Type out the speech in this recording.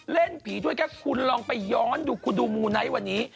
เล่นผีด้วยแค่คุณลองไปย้อนดูคุณดูมูไนท์วันนี้